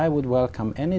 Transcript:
có thể làm gì